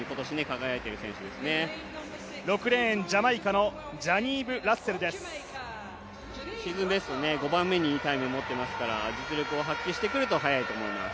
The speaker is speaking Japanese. シーズンベスト、５番目にいいタイムを持っていますから実力を発揮してくると速いと思います。